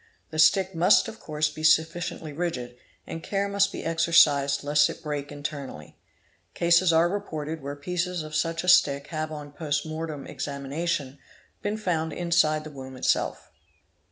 The stick must sf of course be sufficiently rigid, and care must be exercised lest it break internally ; cases are reported where pieces of such a stick have on a post mortem examination been found inside the womb itself.